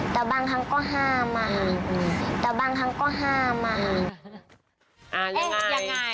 แต่บางครั้งก็ห้ามอะแต่บางครั้งก็ห้ามอะ